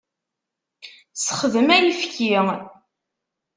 Sexdem ayfki.